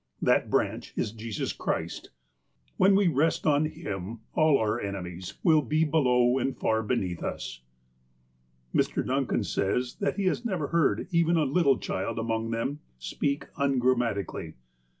That branch is Jesus Christ. When we rest on Him, all our enemies will be below and far beneath us." Mr. Duncan says that he has never heard even a little child among them speak ungrammatically.